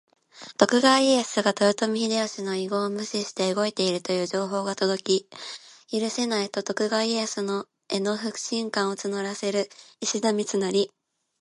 徳川家康が豊臣秀吉の遺言を無視して動いているという情報が届き、「許せない！」と徳川家康への不信感を募らせる石田三成。